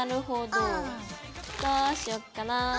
どうしよっかな。